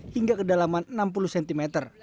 hingga kedalaman enam puluh cm